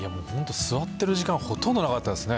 座ってる時間ほとんどなかったですね。